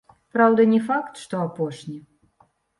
Праўда, не факт, што апошні.